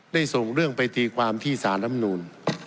ส่งเรื่องไปตีความที่สารลำนูล